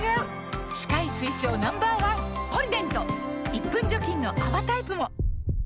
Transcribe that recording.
１分除菌の泡タイプも！